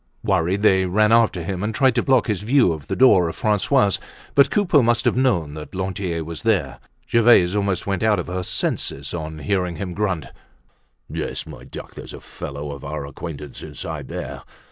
Worried, they ran after him and tried to block his view of the door of Francois's. But Coupeau must have known that Lantier was there. Gervaise almost went out of her senses on hearing him grunt: "Yes, my duck, there's a young fellow of our acquaintance inside there!